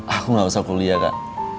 aku gak usah kuliah kak